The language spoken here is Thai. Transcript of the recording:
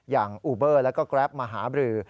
อย่างอูเบอร์และก็แกรปมหาบรือ